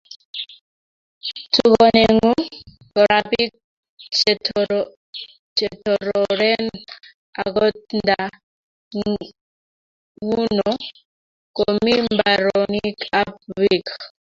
Tukonengun Kora bik chetororen agot nda nguno komi mbaronik ab bik